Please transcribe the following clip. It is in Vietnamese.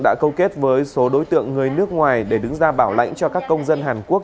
đã câu kết với số đối tượng người nước ngoài để đứng ra bảo lãnh cho các công dân hàn quốc